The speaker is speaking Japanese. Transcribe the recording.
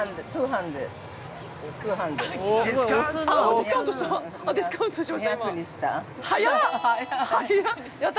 ◆ディスカウントしました、